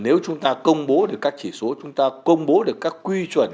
nếu chúng ta công bố được các chỉ số chúng ta công bố được các quy chuẩn